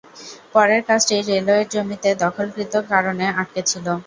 পরের কাজটি রেলওয়ের জমিতে দখলকৃত কারণে আটকে ছিল।